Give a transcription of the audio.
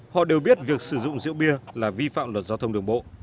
họ đều biết việc sử dụng rượu bia là vi phạm luật giao thông đường bộ